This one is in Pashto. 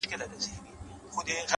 هر فکر د عمل پیل کېدای شي؛